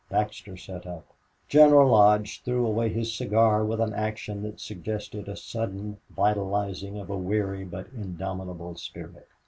Baxter sat up. General Lodge threw away his cigar with an action that suggested a sudden vitalizing of a weary but indomitable spirit.